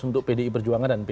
untuk pdi perjuangan dan p tiga